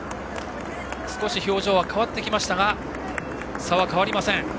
少し表情は変わってきましたが差は変わりません。